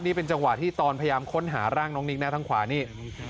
นี่เป็นจังหวะที่ตอนพยายามค้นหาร่างน้องนิกนะทางขวานี่